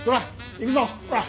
行くぞほら！